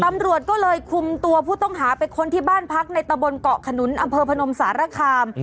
ตำรวจก็เลยคุมตัวผู้ต้องหาไปค้นที่บ้านพักในตะบนเกาะขนุนอำเภอพนมสารคาม